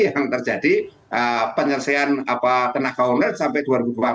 yang terjadi penyelesaian tenaga honorer sampai dua ribu dua puluh empat